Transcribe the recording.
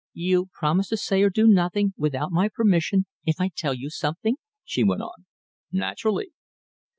"You promise to say or do nothing without my permission, if I tell you something?" she went on. "Naturally!"